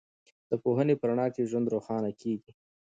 د پوهنې په رڼا کې ژوند روښانه کېږي.